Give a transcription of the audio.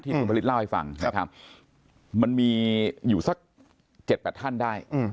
คุณพระฤทธิเล่าให้ฟังนะครับมันมีอยู่สัก๗๘ท่านได้